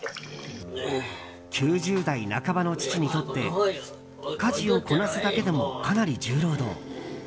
９０代半ばの父にとって家事をこなすだけでもかなり重労働。